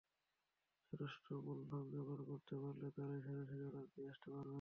যথেষ্ট মূলধন জোগাড় করতে পারলে তাঁরাই সরাসরি অর্ডার নিয়ে আসতে পারবেন।